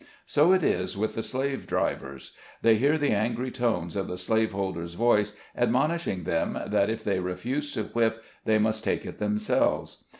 So it is with the slave drivers. They hear the angry tones of the slave holder's voice admonishing them that if they refuse to whip, they must take it themselves.